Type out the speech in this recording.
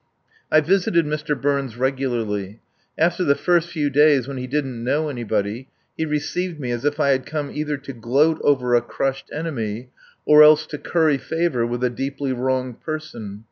I visited Mr. Burns regularly. After the first few days, when he didn't know anybody, he received me as if I had come either to gloat over an enemy or else to curry favour with a deeply wronged person.